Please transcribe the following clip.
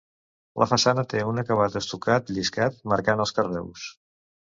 La façana té un acabat estucat lliscat marcant els carreus.